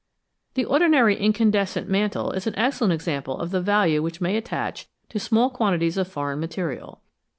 The ordinary incandescent mantle is an excellent example of the value which may attach to small quantities of foreign material.